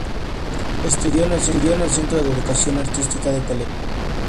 Estudió en el Centro de Educación Artística de Televisa.